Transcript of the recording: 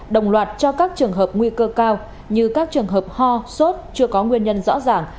đồng loạt cho các trường hợp nguy cơ cao như các trường hợp ho sốt chưa có nguyên nhân rõ ràng